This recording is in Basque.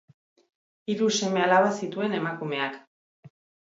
Hiru seme-alaba zituen emakumeak.